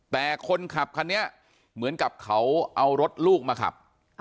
แต่คนขับคันนี้เหมือนกับเขาเอารถลูกมาขับ